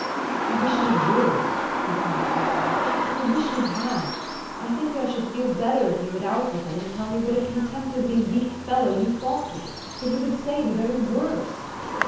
4 ' I wish you would !" he cried hotly. ;' I wish you had ! I think I should feel better if you would out with it, and tell me what a contemptibly weak fellow you thought me if you would say the very worst."